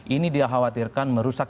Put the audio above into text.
ini dia khawatirkan merusak